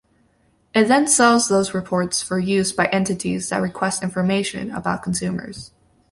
It then sells those reports for use by entities that request information about consumers.